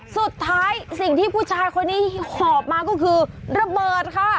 สิ่งที่ผู้ชายคนนี้หอบมาก็คือระเบิดค่ะ